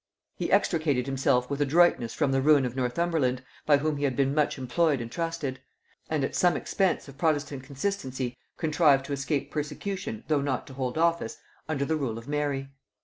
He extricated himself with adroitness from the ruin of Northumberland, by whom he had been much employed and trusted; and at some expense of protestant consistency contrived to escape persecution, though not to hold office, under the rule of Mary.